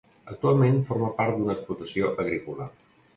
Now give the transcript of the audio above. Actualment forma part d'una explotació agrícola.